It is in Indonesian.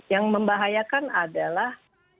yang membahayakan adalah